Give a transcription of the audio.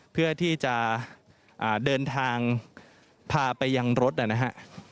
เพื่อที่จะเดินทางพาไปยังรถนะครับ